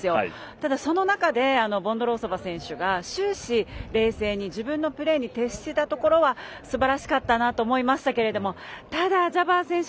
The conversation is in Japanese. ただ、その中でボンドロウソバ選手が終始、冷静に自分のプレーに徹していたところはすばらしかったなと思いましたけれどもただ、ジャバー選手